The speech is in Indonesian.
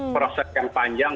proses yang panjang